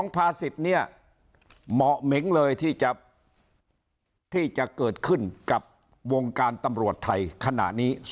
ภา๑๐เนี่ยเหมาะเหม็งเลยที่จะเกิดขึ้นกับวงการตำรวจไทยขณะนี้